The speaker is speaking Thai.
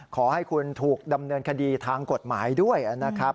ขอให้คุณถูกดำเนินคดีทางกฎหมายด้วยนะครับ